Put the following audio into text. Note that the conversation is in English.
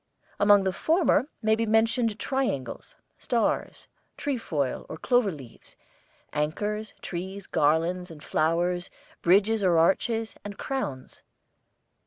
Among the former may be mentioned triangles, stars, trefoil or clover leaves, anchors, trees, garlands and flowers, bridges or arches, and crowns.